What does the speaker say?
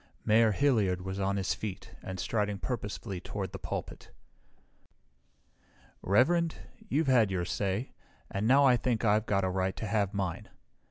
Mayor Hilliard was on his feet and striding purposefully toward the pulpit. "Reverend, you've had your say, and now I think I've got a right to have mine.